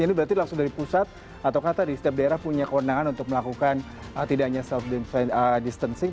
ini berarti langsung dari pusat atau kata di setiap daerah punya kewenangan untuk melakukan tidak hanya self distancing